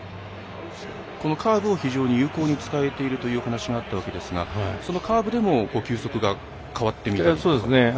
このカーブを非常に有効的に使えているという話があったわけですがそのカーブでも球速が変わっていくと。